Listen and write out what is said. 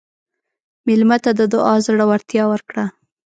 مېلمه ته د دعا زړورتیا ورکړه.